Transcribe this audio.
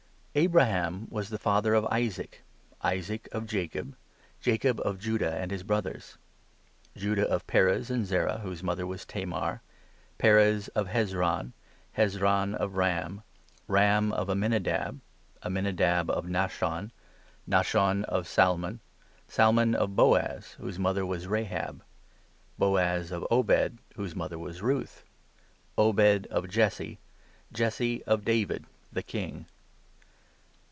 The Abraham was the father of Isaac, 2 Ancestors of Isaac of Jacob, Jesus. Jacob of Judah and his brothers, Judah of Perez and Zerah, whose mother was 3 Tamar, Perez of Hezron, Hezron of Ram, Ram of Amminadab, 4 Amminadab of Nashon, Nashon of Salmon, Salmon of Boaz, whose mother was Rahab, 5 Boaz of Obed, whose mother was Ruth, Obed of Jesse, Jesse of David the King.